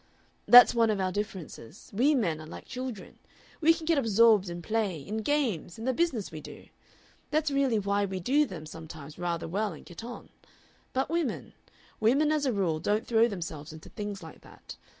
"That's one of our differences. We men are like children. We can get absorbed in play, in games, in the business we do. That's really why we do them sometimes rather well and get on. But women women as a rule don't throw themselves into things like that.